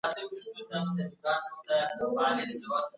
هیوادونه د سیمه ییز امنیت او ثبات د ساتلو لپاره په ګډه کار کوي.